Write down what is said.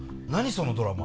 そのドラマ。